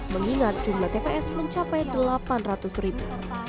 mengingat jumlah tps mencapai delapan ratus ribu